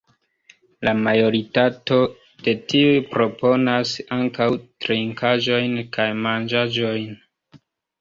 La majoritato de tiuj proponas ankaŭ trinkaĵojn kaj manĝaĵojn.